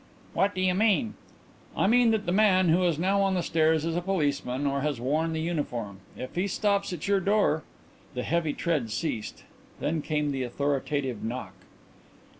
"What do you mean?" "I mean that the man who is now on the stairs is a policeman or has worn the uniform. If he stops at your door " The heavy tread ceased. Then came the authoritative knock.